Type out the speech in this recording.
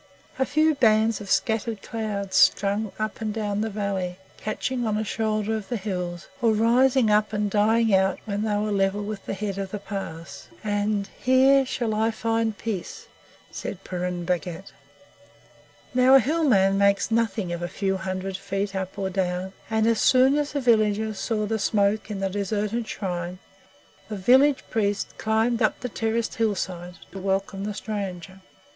A few bands of scattered clouds strung up and down the valley, catching on a shoulder of the hills, or rising up and dying out when they were level with the head of the pass. And "Here shall I find peace," said Purun Bhagat. Now, a Hill man makes nothing of a few hundred feet up or down, and as soon as the villagers saw the smoke in the deserted shrine, the village priest climbed up the terraced hillside to welcome the stranger.